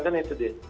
kan itu deh